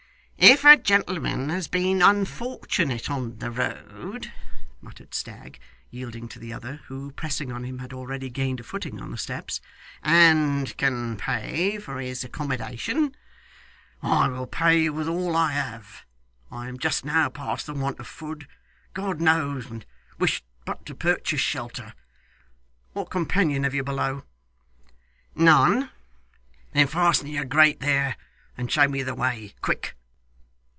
'If a gentleman has been unfortunate on the road,' muttered Stagg, yielding to the other, who, pressing on him, had already gained a footing on the steps 'and can pay for his accommodation ' 'I will pay you with all I have. I am just now past the want of food, God knows, and wish but to purchase shelter. What companion have you below?' 'None.' 'Then fasten your grate there, and show me the way. Quick!